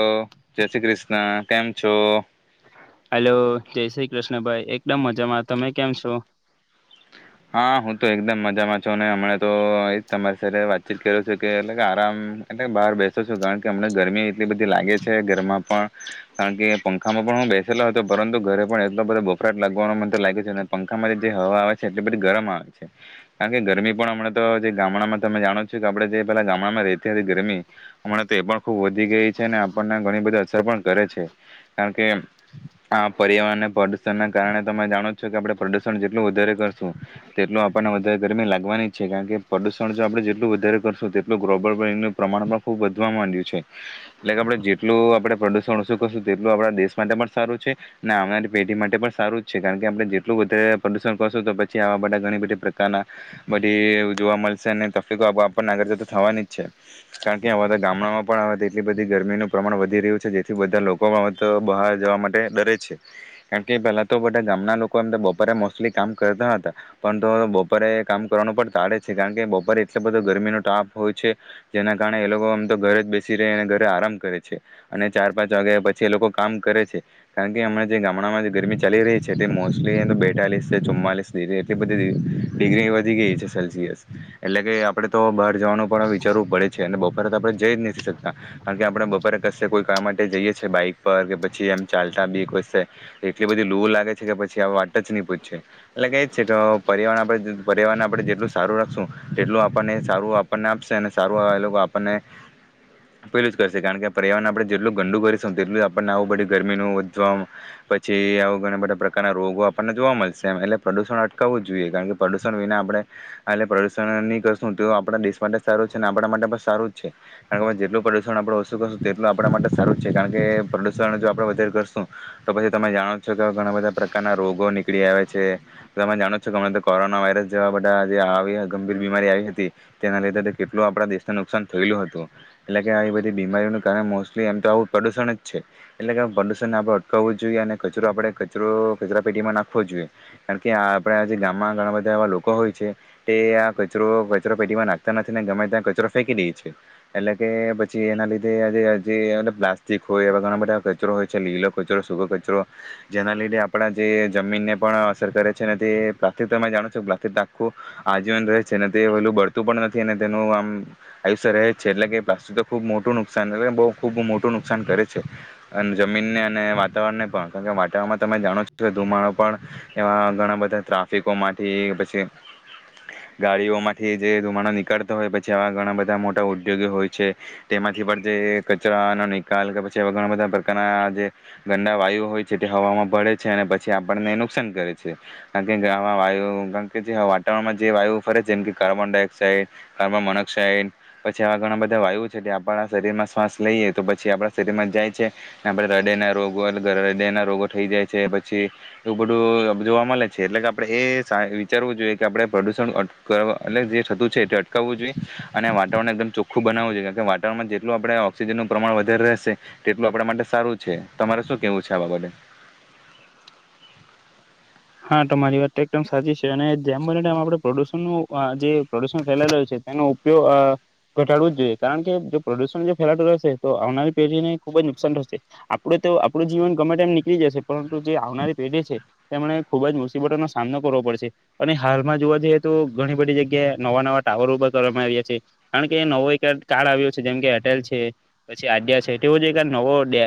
અ જે શ્રી ક્રષ્ન કેમ છો હેલો જે શ્રી ક્રષ્ન ભાઈ એકદમ મજામાં તમે કેમ છો હા હું તો એકદમ મજામાં છું અને હમણા તો એજ તમારી સાથે વાતચીત કર છું કે એટલે આરામ એટલે બહાર બેસું છું કારણ કે હમને ગરમી એટલી બધી લાગે છે ઘરમાં પણ કારણ કે પંખામાં પણ હું બેસેલો હતો પરંતુ ઘરે પણ એકદમ બધો બફરાટ લાગવાનો મને તો લાગે છે અને પંખામાં જે હવા આવે છે એટલી બધી ગરમ આવે છે કારણ કે ગરમી પણ હમણા તો જે ગામડામાં તમે જાણો છો કે આપણે જે પેલા ગામડામાં રતી હતી ગરમી હમણાં તો એ પણ ખુબ વધી ગઈ છે અને આપણને ઘણી બધી અસર પણ કરે છે કારણ કે આ પર્યાવરણને પ્રદુષણના કારણે તમે જાણો છો કે આપણે પ્રદુષણ જેટલું વધારે કરશુ શું તેટલું આપણને વધારે ગરમી લાગવાની જ છે કારણ કે પ્રદુષણ જો આપણે જેટલું વધારે કરશું તેટલું ગ્લોબલ વોર્મંગનું પ્રમાણ પણ ખુબ વધવા માંડ્યું છે એટલે કે આપણે જેટલું આપણે પ્રદુષણ ઓછું કરશું તેટલું આપણા દેશ માટે પણ સારું છે ને આવનારી પેઢી માટે પણ સારું જ છે કારણ કે આપણે જેટલું વધારે પ્રદુષણ કરશું તો પછી જ્યાં બધા ઘણી બધી પ્રકારના બધી જોવા મળશે અને તકલીફો આપો આગળ જતા થવાની જ છે કારણ કે આવા તો ગામડામાં પણ તો એટલી બધી ગરમીનું પ્રમાણ વધી રહ્યું છે જેથી બધા લોકો પણ તો બહાર જવા માટે ડરે છે કારણ કે પહેલા તો બધા ગામના લોકો એમ તો બપોરે મોસ્ટલી કામ કરતા હતા પણ તો બપોરે કામ કરવાનું પણ તાળે છે કારણ કે બપોરે એટલો બધો ગરમીનો તાપ હોય છે જેના કારણે એ લોકો આમ તો ઘરે જ બેસી રહે અને ઘરે આરામ કરે છે અને ચાર પાંચ વાગ્યા પછી એ લોકો કામ કરે છે કારણ કે હમણા જે ગામડામાં જે ગરમી ચાલી રહી છે તે મોસ્ટલી તો બેતાલીસ કે ચુમ્માલીસ એટલી બધી ડિગ્રી વધી ગઈ છે સેલ્સિયસ એટલે કે આપડે તો બહાર જવાનું પણ વિચારવું પડે છે અને બપોરે આપડણે જઈ જ નથી શકતા કારણ કે આપડણે બપોરે કશે કોઈ કામ માટે જઈએ છીએ બાઈક પર કે પછી એમ ચાલતા બી ક એટલી બધી લૂ લાગે છે કે પછી આ વાટ જ નહી પૂછે એટલે કે છે કે અ પર્યાવરણ આપણે પર્યાવરણને આપણે જેટલું સારું રાખશું તેટલું આપણને સારું આપણને આપશે અને સારું એ લોકો આપણને પેલું જ કરશે કારણ કે પર્યાવરણને આપણે જેટલું ગંડુ કરીરીશું તેટલું જ આપણને આવું બધી ગરમીનું વધવા પછી આવ ઘણા બધા પ્રકારના રોગો આપણને જોવા મળશે એમ એટલે પ્રદૂષણ અટકાવવું જ જોઈએ કારણ કે પ્રદૂષણ વિના આપણે એટલે પ્રદૂષણ નહીં કરશું તો આપણા દેશ માટે જ સારું જ છે અને આપણા માટે પણ સારું જ છે કારણ કે જેટલું પ્રદૂષણ આપણે ઓછું કરશું તેટલું આપણા માટે સારું જ છે કારણ કે પ્રદૂષણ જો આપણે વધારે કરશું તો પછી તમે જાણો છો કે ઘણા બધા પ્રકારના રોગો નીકળી આવે છે તમે જાણો છો કેમ કોરોના વાયરસ જેવા બધા જે આવીયા ગંભીર બીમારી આવી હતી તેના લીધે કેટલું આપડા દેશને નુકસાન થયેલું હતું એટલે કે આવી બધી બીમારીઓનું કાર મોસ્ટલી એમ તો આવું પ્રદુષણ જ છે એટલે કે પ્રદુષણને આપણે અટકાવવું જોઈએ અને કચરો આપણે કચરો કચરા પેટીમાં નાખવો જોઈએ કારણ કે આપડા જે ગામમાં ઘણા બધા એવા લોકો હોય છે તે આ કચરો કચરો પેટીમાં નાખતા નથી ને ગમે ત્યાં કચરો ફેંકી દે છે એટલે કે પછી એના લીધે પ્લાસ્ટિક હોય એવા ઘણા બધા એ કચરો હોય છે લીલો કચરો સૂગ કચરો જેના લીધે આપડા જે જમીનને પણ અ અસર કરે છે તે પ્લાસ્ટિક તમે જાણો છો કે પ્લાસ્ટિક આખું આજીવન રહે છે અને તે વેલું બળતું પણ નથી અને તેનું આમ આયુષ્ય રહે છે એટલે કે પ્લાસ્ટિક તો ખુબ મોટું નુકસાન હવે ખુબ મોટું નુકસાન કરે છે અને જમીનને અને વાતાવરણને પણ કારણ કે વાતાવરણમાં તમે જાણો છો કે ધુમાડો પણ એવા ઘણા બધા ટ્રાફિકોમાંથી પછી ગાડીઓમાંથી જે ધુમાડા નીકળતો હોય પછી એવા ઘણા બધા મોટા ઉદ્યોગો હોય છે તેમાંથી પણ જે કચરાનો નિકાલ કે પછીવા ઘણા બધા પ્રકારના જે ગંડા વાયુ હોય છે તે હવામાં ભળે છે અને પછી આપણને નુકશાન શાન કરે છે કારણ કે આવા વાયુ કારણ કે જે વાતાવરણમાં જે વાયુ ફરે છે જેમ કે કાર્બન ડાયોક્સાઇડ કાર્બન મોનોક્સાાઈડ પછી આવા ઘણા બધા વાયુ છે જે આપણા શરીર માં શ્વાસ લઈએ તો પછી આપણા શરીરમાં જાય છે આપણા હૃદય ના રોગો હૃદય ના રોગો થઈ જાય છે પછી એવું બધું જોવા મળે છે એટલે કે આપણે એ સા વિચારવું જોઈએ કે આપણે પ્રદુષણ એટકાવા એટલે જે થતું છે એ અટકાવવું જોઈએ અને વાતાવરણ એકદમ ચોખ્ખું બનાવવું જોઈએ કારણ કે વાતાવરણમાં જેટલું આપણે ઓક્સિજનનું પ્રમાણ વધારે રહેશે તેટલું આપણે માટે સારું છે તમારે શું કેવું છે આ બાબતે હા તો મારી વાત તો એકદમ સાચી છે અને જેમ બનેમ આપણે પ્રદુષણનું અ જે પ્રદુષણ ફેલાય રહ્યું છે તેનો ઉપયોગ ઘટાડવુ જોઈએ કારણ કે જો પ્રદુષણ જો ફેલાતું રહેશે તો આવનારી પેઢીને ખુબ જ નુકસાન થશે આપડ તો આપણું જીવન ગમે ટમ નીકળી જશે પરંતુ જે આવરી પેઢી છે તેમણે ખુબ જ મુસીબતોનો સામનો કરવો પડશે અને હાલમાં જોવા જઈએ તો ઘણી બધી જગ્યાએ નવા નવા ટાવર ભા કરવામાં આવ્યા છે કારણ કે નવો એક કાર્ડ આવ્યો છે જેમ કે એરટેલ છે પછી આડ્યા છે તેવો જ એક નવો ડે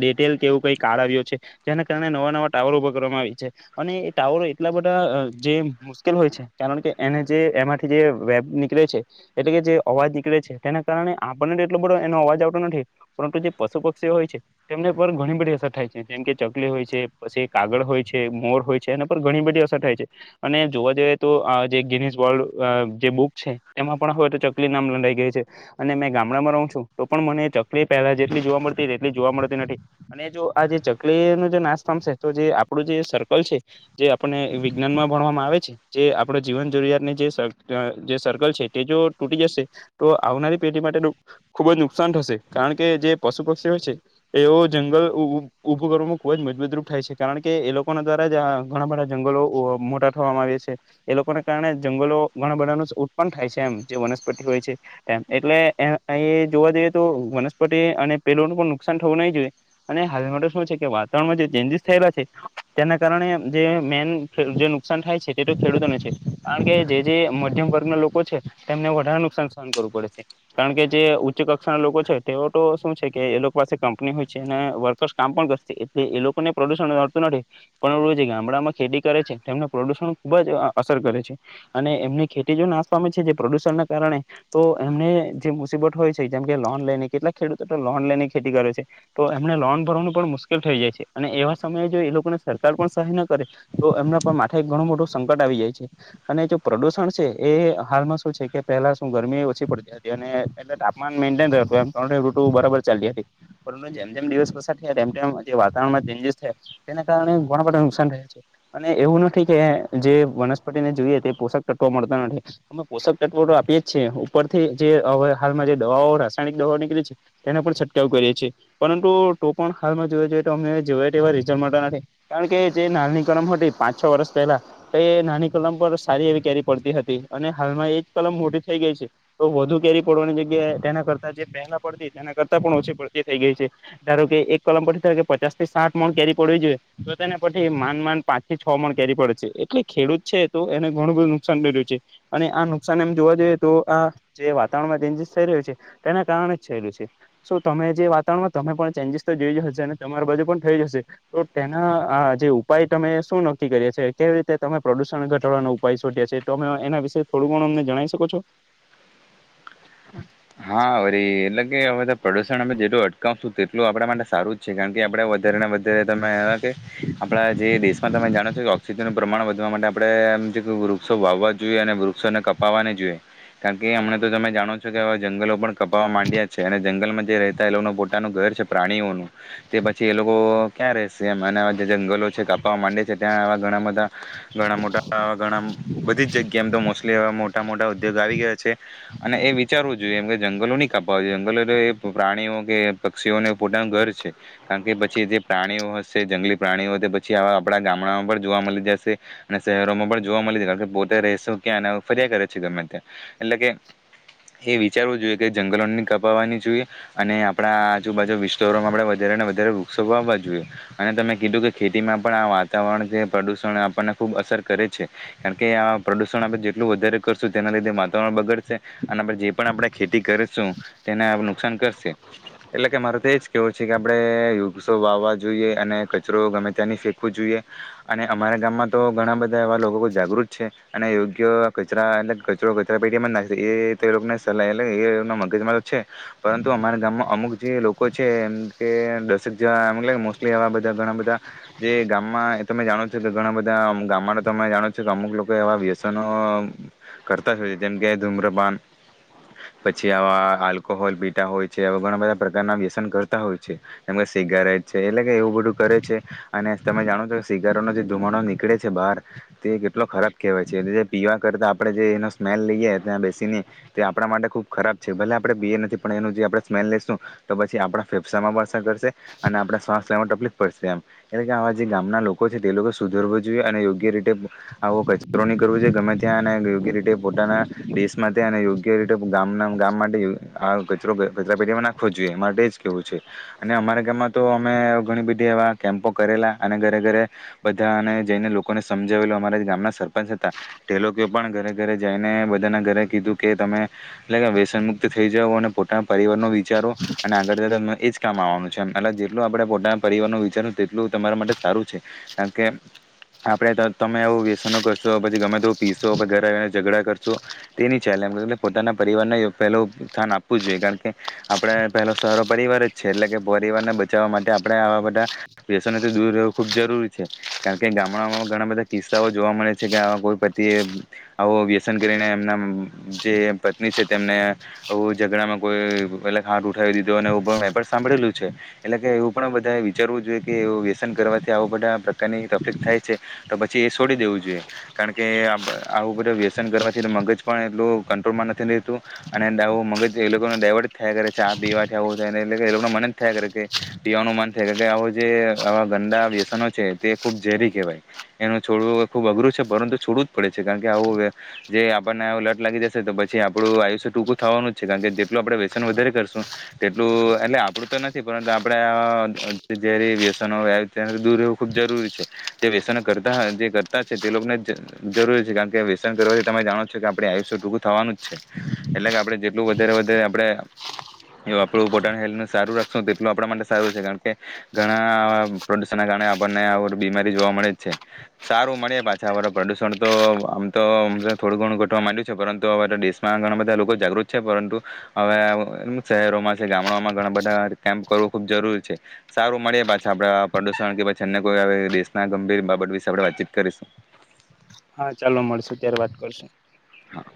ડેટેલ કેવું કઈ કાર્ડ આવ્યો છે જેના કારણે નવા નવા ટાવર ઉભા કરવામાં આવી્યા છે અને એ ટાવર એટલા બધા અ જે મુશ્કેલ હોય છે કારણ કે એને જે એમાંથી જે વેબ નીકળે છે એટલે કે જે અવાજ નીકળે છે તેના કારણે આપણને એટલો બધો એનો અવાજ આવતો નથી પરંતુ જે પશુ પક્ષીઓ હોય છે તેમને પર ઘણી બધી અસર થાય છે જેમ કે ચકલી હોય છે પછી કાગળ હોય છે મોર હોય છે એના પર ઘણી બધી અસર થાય છે અને જોવા જઈએ તો આ જે ગિનીસ વૅલ્ડ અ જે બુક છે એમાં પણ હવે તો ચકલી નામ લડાઈ ગઈ છે અને મેં ગામડામાં રહું છું તો પણ મને ચકલી પહેલા જેટલી જોવા મળતી તેટલી જોવા મળતી નથી અને જો આ જે ચકલીનું જે નાશ પામશે તો જે આપણું જે સર્કલ છે જે આપણને વિજ્ઞાનમાં ભણવામાં આવે છે જે આપણે જીવન જરૂરિયાતની જે સરકર જે સર્કલ છે તે જો તૂટી જશે તો આવનારી પેઢી માટે ડુક ખુબ જ નુકસાન થશે કારણ કે જે પશુ પક્ષીઓ છે એઓ જંગલ ઉભુ ઊભું કરવામાં ખૂબ જ મજબૂત રૂપ થાય છે કારણ કે એ લોકોના દ્વારા જ ઘણા બધા જંગલો ઓ મોટા થવામાં આવે્યા છે એ લોકોને કારણે જંગલો ઘણા બધાનું સુ ઉત્પન થાય છે એમ જે વનસ્પતિ હોય છે એમ એટલે એ અહીં જોવા જઈએ તો વનસ્પતિ અને પેલોનું પણ નુકસાન થવું નહી જોઈએ અને હાલ માટે શું છે કે વાતાવરણમાં જે ચેન્જીસ થયેલા છે તેના કારણે જે મેન જે નુકસાન થાય છે તે તો ખેડૂતોને છે કારણ કે જે જે મધ્યમ વર્ગના લોકો છે તેમને વધારે નુકસાન સહન કરવું પડે છે કારણ કે જે ઉચ્ચ કક્ષાના લોકો છે તેઓ તો શું છે કે એ લોકો પાસે કંપની હોય છે અને વર્કસ કામ પણ કરશે એટલે એ લોકોને પ્રદુષણ મળતું નથી પણ ગામડામાં ખેતી કરે છે તેમને પ્રદુષણ ખુબ જ અ અસર કરે છે અને એમની ખેતી જો નાશ પામે છે જે પ્રદુષણના કારણે તો એમને જે મુસીબત હોય છે જેમ કે લોન લઈને કેટલાક ખેડૂતો તો લોન લઈને ખેતી કરે છે તો એમને લોન ભરવાનું પણ મુશ્કેલ થઈ જાય છે અને એવા સમયે જો એ લોકોને સરકાર પણ કાએ ન કરે તો એમના પર માથે ઘણું મોટું સંકટ આવી જાય છે અને જો પ્રદુષણ છે એ હાલમાં શું છે કે પહેલા શું ગરમી ઓછી પડતી હતી અને એટલે તાપમાન મેન્ટાઇન રાખ્યું એમ અને ઋતુ બરાબર ચાલતી હતી પરંતુ જેમ જેમ દિવસ પસાર થયા તેમ તેમ જે વાતાવરણમાં ચેન્જીસ થયા તેના કારણે ઘણા બધા સન રહે છે અને એવું નથી કે જે વનસ્પતિને જોઈએ તે પોષક તત્વો મળતા નથી અમે પોષક તત્વો તો આપીએ છીએ ઉપરથી જે અવે હાલમાં જે દવાઓ રાસાયણિક દવા નીકળી છે તેને પણ છંટકાવ કરીએ છીએ પરંતુ તો પણ હાલ જોએ તો અ જો ર મળતા નથી કારણ કે જે નાની કલમ હતી પાંચ છ વર્ષ પહેલા તો એ નાની કલમ પર સારી એવી કેરી પડતી હતી અને હાલમાં એ જ કલમ મોટી થઈ ગઈ છે તો વધુ કેરી પડવાની જગ્યાએ તેના કરતા જે પહેલા પડતી તેના કરતાં પણ ઓછી પડતી થઈ ગઈ છે ધારો કે એક કલમ પડતી કે પચાસ થી સાત મણ કેરી પડવી જોઈએ તો તેને પર થી એ માંડ માંડ પાંચ થી છ મણ કે પડે છે એટલે ખેડૂત છે તો એને ઘણું બધું નુકસાન થઈ રહ્યું છે અને આ નુકસાન એમ જોવા જઈએ તો આ જે વાતાવરણમાં ચેન્જીસ થઈ રહ્યું છે તેના કારણે જ થયેલું છે સો તમે જે વાતાવરણમાં તમે પણ ચેન્જીસ તો જોઈ જશે અને તમારા બાજુ પણ થઈ જશે તો તેના આ જે ઉપાય તમે શું નક્કી કરીએ છી કેવી રીતે તમે પ્રદુષણ ઘટાડવાનો ઉપાય શોધ્યા છે તમે એના વિશે થોડું ગણું અમને જણાવ શકો છો હા વરી એટલે કે હવે તો પ્રદુષણ અમે જેલું અટકાવશું એટલું આપણા માટે સારું જ છે કારણ કે આપણે વધારે ને વધારે તમે એવા કે આપણા જે દેશમાં તમે જાણો છો કે ઓઑક્સિજનનું પ્રમાણ વધવા માટે આપણે કે વૃક્ષો વાવવા જોઈએ અને વૃક્ષોને કપાવાને જોઈએ કારણ કે અમને તો તમે જાણો છો. જંગલો પણ કપાવવા માંડ્યા છે અને જંગલમાં જે રહે. એ લોકો પોતાનું ઘર છે પ્રાણીઓનું તે પછી એ લોકો ક્યાં રહેશે એ અને જે જંગલો છે કાપાવા માંડે છે ત્યાં, આવા ઘણા બધા ઘણા મોટા ઘણા બધી જ જગ્યા એમ તો મોસ્ટલી એટલા મોટા ઉદ્યોગ આવી ગયા છે અને એવી વિચારવું જોઈએ એમ કે જંગલો ન કાપવા જંગલો એ પ્રાણીઓ કે પક્ષીઓને પોતાનું ઘર છે. કારણ કે પછી જે પ્રાણીઓ હશે. જંગલી પ્રાણીઓ હોય તો પછી આવા આપણા ગામડામાં પણ જોવા મલી જશે અને શહેરોમાં પણ જોવા મલી જશે પોતે રહશો ક્યાં અને અવે ફરયા કરે છે ગમે ત્યા એટલે કે એ વિચારવું જોઈએ કે જંગલોની કાપવાની જોઈએ અને આપણા આજુબાજુ વિસ્તારોમાં આપણે વધારે ને વધારે વૃક્ષો જોઈએ અને તમે કીધું કે ખેતીમાં પણ આ વાતાવરણ પ્રદુષણ આપણને ખુબ અસર કરે છે કારણ કે આ પ્રદુષણ આપણે જેટલું વધારે કરશું તેના લીધે વાતાવરણ બગડશે. અને જે પણ આપણે ખેતી કરીશું તેને નુકસાન કરશે એટલે કે મારે તો એ જ કહેવું છે કે આપણે વૃક્ષો વાવવા જોઈએ અને કચરો ગમે ત્યાંની ફેંકવું જોઈએ અને અમારા ગામમાં તો ઘણા બધા એવા લોકો જાગૃત છે અને યોગ્ય કચરા એટલે કચરો કચરા પેટીમાં જ નાખીએ એ જે લોકોને સ લે લે એ મગજમાં તો છે પરંતુ અમારા ગામમાં અમુક જે લોકો છે એમ કે દશેક જણા મોસ્ટલી એવા બધા ઘણા બધા જે ગામમાં તમે જાણો છો કે ઘણા બધા ગામમાં તમે જાણો છો કે અમુક લોકો એવા વ્યસનો કરતાય જેમ કે ધૂમ્રપાન પછી આવા આલ્કોહોલ પીતા હોય છેવા ઘણા બધા પ્રકારના વ્યસન કરતા હોય છે જેમ કે સિગારેટ છે એટલે કે એવું બધું કરે છે અને તમે જાણો છો કે સિગારેટનો જે ધુમાડો નીકળે છે બહાર તે કેટલો ખરાબ કહેવાય છે. એટલે જે પીવા કરતા આપણે જે એનો સ્મેલ લઈએ ત્યાં બેસીને તે આપણા માટે ખૂબ ખરાબ છે ભલે આપણે બિય નથી પણ એનું જે આપણે સ્મેલ લઈશું તો પછી આપણા ફેફસામા પણ અસર કરશે અને આપણા શ્વાસ લેવામાં તકલીફ પડશે એમ એટલે કે આવા જે ગામના લોકો છે તે લોકો સુધરવું જોઈએ અને યોગ્ય રીતે આવો કચરો ન કરવો જોઈએ ગમે ત્યાં અને યોગ્ય રીતે પોતાના દેશમાં ત્યાં અને યોગ કેવી રીતે ગામના ગામમાં અ કચરો કચરા પેટીમાં નાખવો જોઈએ એ માટે જ કેવું છે અને અમારા ગામમાં તો અમે ઘણી બધી એવા કેમ્પો કરેલા અને ઘરે ઘરે બધા અને જઈને લોકોને સમજાવેલું અમારા ગામના સરપંચ હતા તે લોકો પણ ઘરે ઘરે જઈને બધાના ઘરે કીધું. કે તમે એટલે કે વ્યસન મુક્ત થઈ જાવ અને પોતાના પરિવારનો વિચારો અને આગળ જતા તમને એજ કામ આવવાનું છે એટલે જેટલું આપણે પોતાના પરિવાર ન વિચાર તેટલું તમારા માટે સારું છે કારણ કે આપણે તમે એું વ્યસનો કરશો પછી ગમે તે પીશો પછી ઘરે આવીને ઝઘડા કરશો તેની છેલે એટલે પોતાના પરિવારને પહેલું સ્થાન આપવું જ જોઈએ કારણ કે આપણે પહેલો સહારો પરિવાર જ છે એટલે કે પરિવારને બચાવવા માટે આપણે આવા બધા વ્યસનોથી દૂર રહેવું ખૂબ જરૂરી છે કારણ કે ગામડાઓમાં ઘણા બધા કિસ્સાઓ જોવા મળે છે કે આ કોઈ પતિએ આવો વ્યસન કરીને એમના જે પત્ની છે તેમને એવા ઝઘડામાં કોઈ ગલત હાથ ઉઠાવી દીધો અને એું મે પણ સાંભળેલું છે એટલે કે એવું પણ બધા વિચારવું જોઈએ કે એ વ્યસન કરવાથી આવ બધા પ્રકારની તકલીફ થાય છે તો પછી એ છોડી દેવું જોઈએ કારણ કે આવું બધું વ્યસન કરવાથી મગજ પણ હું કંટ્રોલમાં નથી રહેેતું અને આવું મગજ એ લોકોને ડાયવર્ટ થયા કરે છે આ પીવા થું થાય એટલે કે એ લોકો મન જ થાય કરે કે પીવાનું મન થાયે કે આવું જે આવા ગંદા વ્યસનો છે તે ખુબ ઝેરી કહેવાય એનું છોડવું ખુબ અઘરું છે પરંતુ છોડવું જ પડે છે કારણ કે આવું જે આપણને લટ લાગી રહશે તો પછી આપણું આયુષ્ય ટૂંકું થવાનું જ છે કારણ કે જેટલું આપણેે્ યસન વધારે કરશું તેટલું એટલે આપણું તો નથી પરંતુ આપણેે વ્યસનો દૂર રહેવું ખૂબ જરૂરી છે જે વ્યસનો કરતા જે કરતા છે તે લોકોને જરૂરી છે કારણ કે વ્યસન કરવાથી તમે જાણો છો કે આપણુ આયુષ્ય ટૂકું થવાનું જ છે એટલે કે આપણે જેટલું વધારે વધારે આપણે એ આપણું પોતાનું હેલ્થનું સારું રાખશું તેટલું આપણા માટે સારું છે કારણ કે ઘણા પ્રદુષણના કારણે આપણને આ બીમારી જોવા મળે જ છે સારું મળે પાછા પ્રદુષણ તો આમ તોમ થોડું ઘણું કરવા માંડ્યું છે પરંતુ હવે તો દેશમાં ઘણા બધા લોકો જાગૃત છે પરંતુ હવે શહેરોમાં છે ગામડામાં ઘણા બધા કેમ્પ કરવું ખુબ જરૂરી છે સારું મળી પાછા આપણે પ્રદુષણ કે પછી અન્ય કોઈ દેશના ગંભીર બાબત વિશે આપણે વાતચીત કરીશું. હા, ચાલો મળશું ત્યારે વાત કરશું. હા